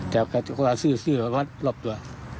แต่ขวัศษือวัดรอบตัว